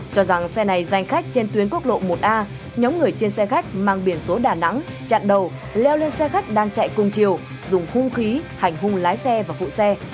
cho rằng xe này danh khách trên tuyến quốc lộ một a nhóm người trên xe khách mang biển số đà nẵng chặn đầu leo lên xe khách đang chạy cùng chiều dùng hung khí hành hung lái xe và phụ xe